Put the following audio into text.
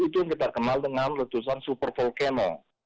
itu yang kita kenal dengan letusan super volcano